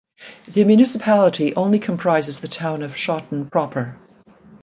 The municipality only comprises the town of Schoten proper.